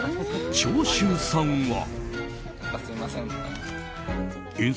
長州さんは。